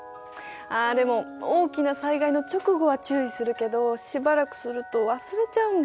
あでも大きな災害の直後は注意するけどしばらくすると忘れちゃうんだよな。